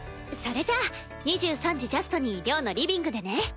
それじゃあ２３時ジャストに寮のリビングでね。